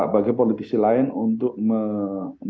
bagi politisi lain untuk menentukan